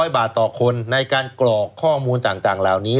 ๐บาทต่อคนในการกรอกข้อมูลต่างเหล่านี้